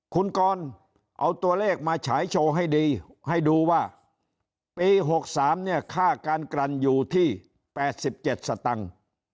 คุณกรเอาตัวเลขมาฉายโชว์ให้ดีให้ดูว่าปี๖๓เนี่ยค่าการกลั่นอยู่ที่๘๗สตังค์